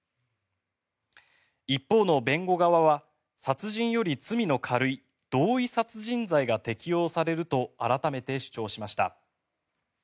一方の弁護側は殺人より罪の軽い同意殺人罪が適用されると改めて主張しました。